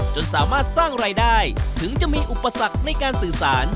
จนสามารถสร้างรายได้ถึงจะมีอุปสรรคในการสื่อสาร